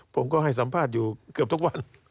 ผมก็ให้สัมภาษณ์อยู่เกือบทุกวัน